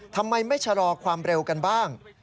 ทำไมไม่ชะลอความเร็วกันบ้าง